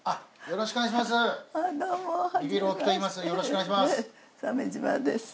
よろしくお願いします。